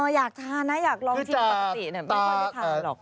อยากทานนะอยากลองชิมปกติไม่ค่อยได้ทานหรอก